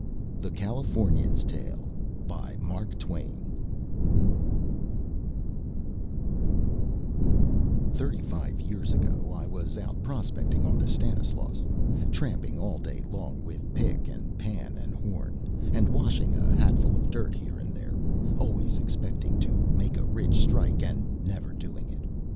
THE CALIFORNIAN'S TALE Thirty five years ago I was out prospecting on the Stanislaus, tramping all day long with pick and pan and horn, and washing a hatful of dirt here and there, always expecting to make a rich strike, and never doing it.